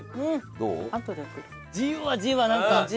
どう？